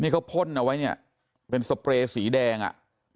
เขาพ่นเอาไว้เนี่ยเป็นสเปรย์สีแดงอ่ะ